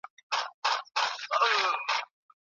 مینه او محبت وپالئ.